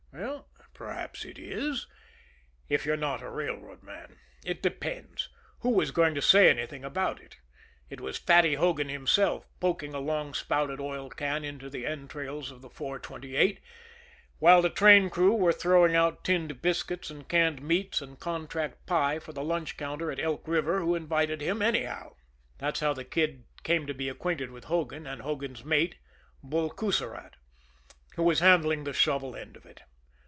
Well, perhaps it is if you're not a railroad man. It depends. Who was going to say anything about it? It was Fatty Hogan himself, poking a long spouted oil can into the entrails of the 428, while the train crew were throwing out tinned biscuits and canned meats and contract pie for the lunch counter at Elk River, who invited him, anyhow. That's how the Kid came to get acquainted with Hogan, and Hogan's mate, Bull Coussirat, who was handling the shovel end of it.